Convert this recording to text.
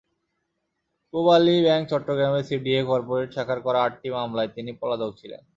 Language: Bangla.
পূবালী ব্যাংক চট্টগ্রামের সিডিএ করপোরেট শাখার করা আটটি মামলায় তিনি পলাতক ছিলেন।